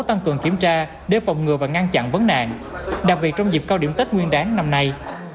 tăng cường kiểm tra để phòng ngừa và ngăn chặn vấn nạn đặc biệt trong dịp cao điểm tết nguyên đáng năm nay